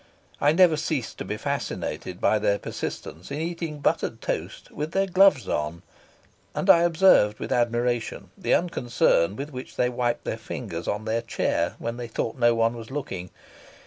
I never ceased to be fascinated by their persistence in eating buttered toast with their gloves on, and I observed with admiration the unconcern with which they wiped their fingers on their chair when they thought no one was looking.